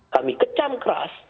kami kecam keras